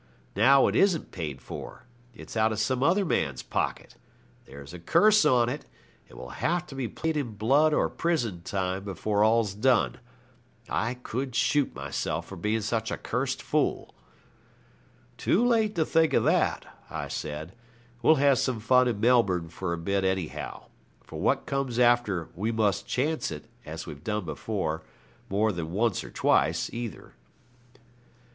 Now it isn't paid for. It's out of some other man's pocket. There's a curse on it; it will have to be paid in blood or prison time before all's done. I could shoot myself for being such a cursed fool.' 'Too late to think of that,' I said; 'we'll have some fun in Melbourne for a bit, anyhow. For what comes after we must "chance it", as we've done before, more than once or twice, either.'